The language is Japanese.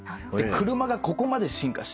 車がここまで進化して。